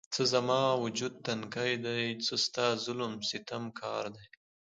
څه زما وجود تنکی دی، څه ستا ظلم ستم کار دی